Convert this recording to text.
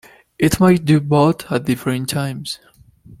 It might do both at different times.